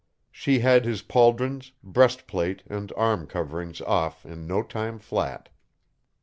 She had his pauldrons, breastplate, and arm coverings off in no time flat.